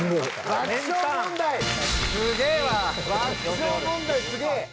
爆笑問題すげえ！